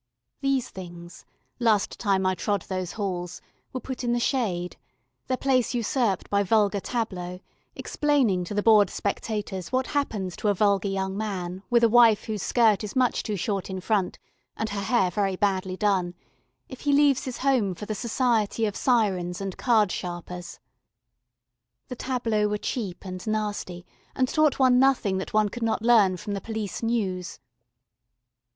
These things, last time I trod those halls, were put in the shade, their place usurped by vulgar tableaux, explaining to the bored spectators what happens to a vulgar young man with a wife whose skirt is much too short in front and her hair very badly done, if he leaves his home for the society of sirens and cardsharpers. The tableaux were cheap and nasty, and taught one nothing that one could not learn from the Police News.